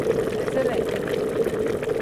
Izire.